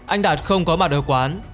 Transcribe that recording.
anh đạt không có mặt ở quán